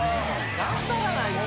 頑張らないと。